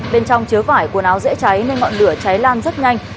bên trong chứa vải quần áo dễ cháy nên ngọn lửa cháy lan rất nhanh